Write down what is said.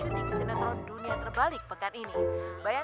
menjalani adegan pertengahan